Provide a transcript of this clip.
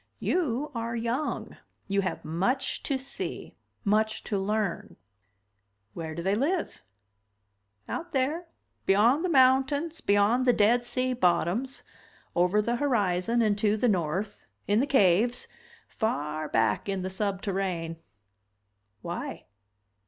"You are young. You have much to see, much to learn." "Where do they live?" "Out there, beyond the mountains, beyond the dead sea bottoms, over the horizon and to the north, in the caves, far back in the subterrane." "Why?"